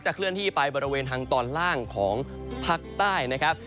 เคลื่อนที่ไปบริเวณทางตอนล่างของภาคใต้นะครับ